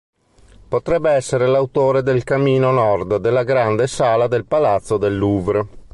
Potrebbe essere l'autore del camino nord della grande sala del palazzo del Louvre.